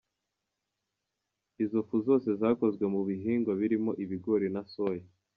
Izo fu zose zakozwe mu bihingwa birimo Ibigori na Soya.